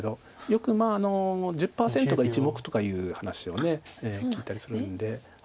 よく１０％が１目とかいう話を聞いたりするんで。